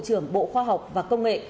bộ trưởng bộ khoa học và công nghệ